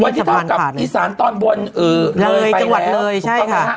วันนี้ต้องกับอีสานตอนบวนเลยไปแล้วจังหวัดเลยใช่ค่ะ